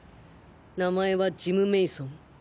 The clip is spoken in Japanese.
名前はジム・メイソン。